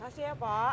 makasih ya pok